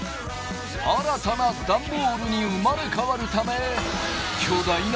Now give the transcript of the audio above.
新たなダンボールに生まれ変わるため巨大な釜にダイブ！